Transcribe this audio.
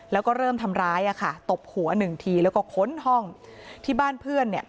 แล้วก็เริ่มทำร้ายอ่ะค่ะตบหัวหนึ่งทีแล้วก็ค้นห้องที่บ้านเพื่อนเนี่ย